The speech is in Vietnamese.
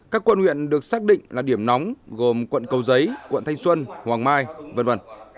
các quận huyện được xác định là điểm nóng gồm quận cầu giấy quận thanh xuân hoàng mai v v